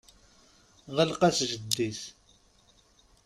Ɣleq-as jeddi-s.